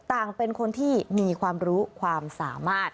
เป็นคนที่มีความรู้ความสามารถ